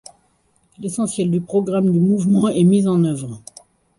L'essentiel du programme du mouvement est mis en œuvre.